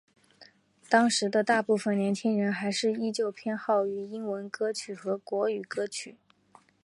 当时的大部份年轻人还是依旧偏好于英文歌曲和国语歌曲。